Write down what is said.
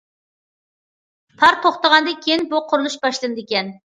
پار توختىغاندىن كېيىن بۇ قۇرۇلۇش باشلىنىدىكەن.